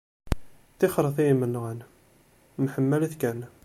Tixret i yimenɣan, mḥemmalet kan.